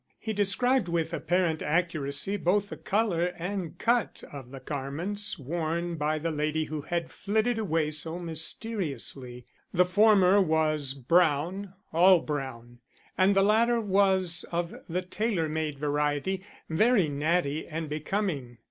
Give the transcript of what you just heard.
He described with apparent accuracy both the color and cut of the garments worn by the lady who had flitted away so mysteriously. The former was brown, all brown; and the latter was of the tailor made variety, very natty and becoming.